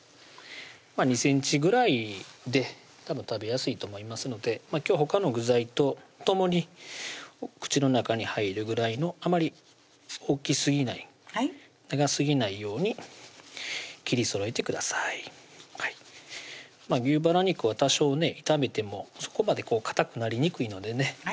２ｃｍぐらいで食べやすいと思いますので今日はほかの具材と共に口の中に入るぐらいのあまり大きすぎない長すぎないように切りそろえてください牛バラ肉は多少炒めてもそこまでかたくなりにくいのでね